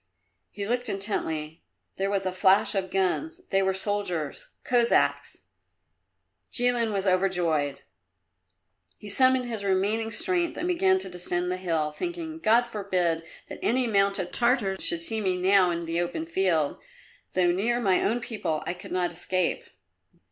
He looked intently; there was a flash of guns they were soldiers, Cossacks! Jilin was overjoyed. He summoned his remaining strength and began to descend the hill, thinking, "God forbid that any mounted Tartar should see me now in the open field; though near my own people, I could not escape."